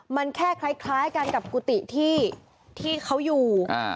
มันแค่คล้ายกันกับกุฏิที่เขาอยู่